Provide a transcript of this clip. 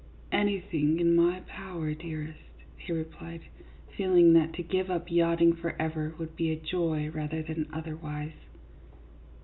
" Anything in my power, dearest," he replied, feeling that to give up yachting forever would be a joy rather than otherwise.